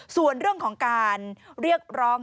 ส่วนเรื่องของการเรียกร้อง